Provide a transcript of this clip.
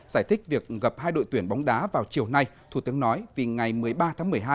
giải thích việc gặp hai đội tuyển bóng đá vào chiều nay thủ tướng nói vì ngày một mươi ba tháng một mươi hai